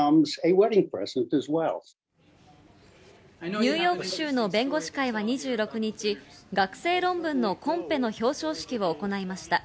ニューヨーク州の弁護士会は２６日、学生論文のコンペの表彰式を行いました。